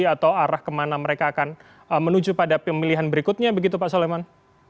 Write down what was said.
atau arah kemana mereka akan menuju pada pemilihan berikutnya begitu pak soleman